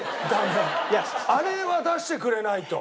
あれは出してくれないと。